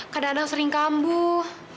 kadang kadang sering kambuh